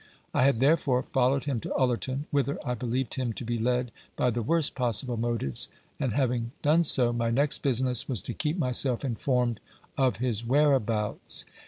I had therefore followed him to Ullerton, whither I believed him to be led by the worst possible motives; and having done so, my next business was to keep myself informed of his whereabouts.